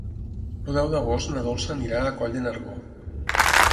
El deu d'agost na Dolça anirà a Coll de Nargó.